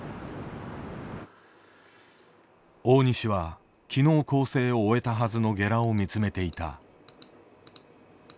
大西は昨日校正を終えたはずのゲラを見つめていた。